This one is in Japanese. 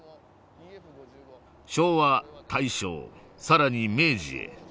昭和大正更に明治へ。